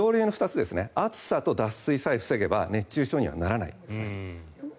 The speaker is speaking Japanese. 暑さと脱水さえ防げば熱中症にはならないんです。